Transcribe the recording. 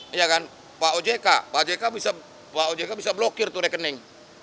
iya kan pak ojk pak ojk bisa blokir tuh rekening